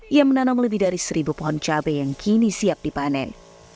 ia menanam lebih dari seribu pohon cabai yang kini siap dipanen